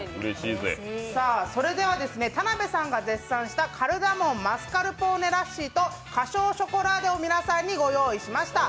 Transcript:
それでは、田辺さんが絶賛したカルダモンマスカルポーネラッシーと花椒ショコラーデを皆さんにご用意しました。